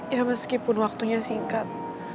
ya meskipun waktunya singkat